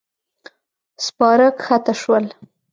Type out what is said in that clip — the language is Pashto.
سپاره کښته شول.